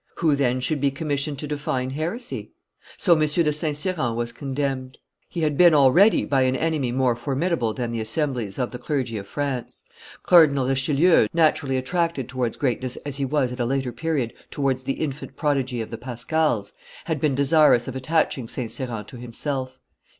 Who, then, should be commissioned to define heresy? So M. de St. Cyran was condemned. He had been already by an enemy more formidable than the assemblies of the clergy of France. Cardinal Richelieu, naturally attracted towards greatness as he was at a later period towards the infant prodigy of the Pascals, had been desirous of attaching St. Cyran to himself.